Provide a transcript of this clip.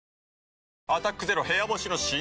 新「アタックＺＥＲＯ部屋干し」解禁‼